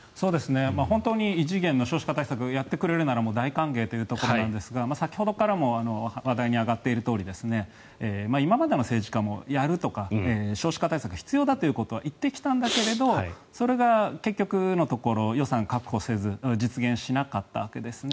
本当に異次元の少子化対策をやってくれるならもう大歓迎というところですが先ほどからも話題に上がっているとおり今までの政治家も、やるとか少子化対策、必要だということは言ってきたんだけれどもそれが結局のところ予算を確保せず実現しなかったわけですね。